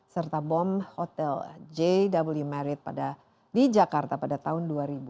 serta bom hotel jw marrit di jakarta pada tahun dua ribu dua